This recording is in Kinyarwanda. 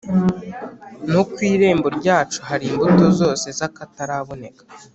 no ku irembo ryacu hari imbuto zose z’akataraboneka,